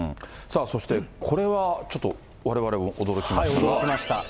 そしてこれはちょっとわれわれも驚きましたが。